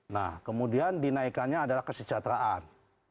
nah kemudian dinaikannya adalah kesejahteraan